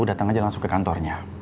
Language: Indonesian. datang aja langsung ke kantornya